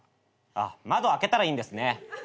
あっ窓開けたらいいんですね。